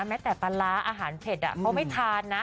แม้แต่ปลาร้าอาหารเผ็ดเขาไม่ทานนะ